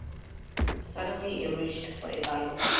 Suddenly he reached for a Bible.